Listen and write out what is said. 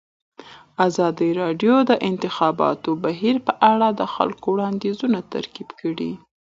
ازادي راډیو د د انتخاباتو بهیر په اړه د خلکو وړاندیزونه ترتیب کړي.